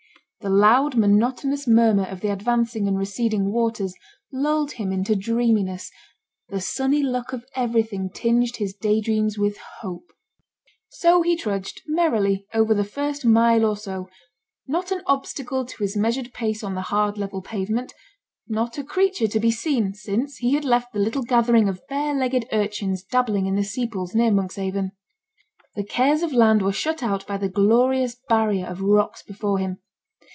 The loud, monotonous murmur of the advancing and receding waters lulled him into dreaminess; the sunny look of everything tinged his day dreams with hope. So he trudged merrily over the first mile or so; not an obstacle to his measured pace on the hard, level pavement; not a creature to be seen since he had left the little gathering of bare legged urchins dabbling in the sea pools near Monkshaven. The cares of land were shut out by the glorious barrier of rocks before him.